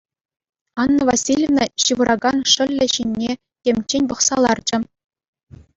Анна Васильевна ҫывӑракан шӑллӗ ҫине темччен пӑхса ларчӗ.